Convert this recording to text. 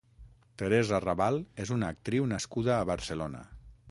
Teresa Rabal és una actriu nascuda a Barcelona.